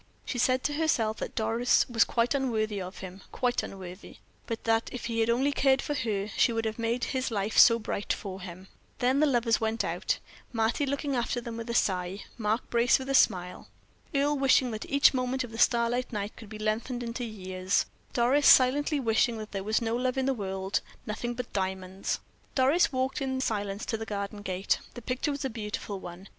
She said to herself that Doris was quite unworthy of him quite unworthy; but that if he had only cared for her, she would have made his life so bright for him. Then the lovers went out together. Mattie, looking after them with a sigh, Mark Brace with a smile. Earle wishing that each moment of the starlight night could be lengthened into years, Doris silently wishing that there was no love in the world nothing but diamonds. Doris walked in silence to the garden gate. The picture was a beautiful one.